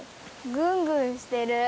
ぐんぐんしてる。